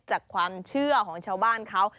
จากความเชื่อของชาวบ้านเขา